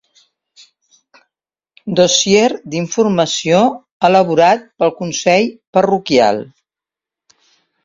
Dossier d'informació elaborat pel Consell Parroquial.